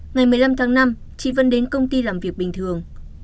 ngày một mươi năm tháng năm chị vân đến công ty làm việc bình thường